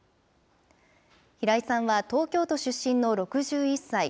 平井さんは東京出身の６１歳。